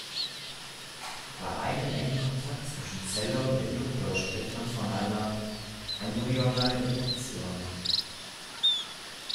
Bei einem engen Kontakt zwischen Zelle und Induktor spricht man von einer "embryonalen Induktion".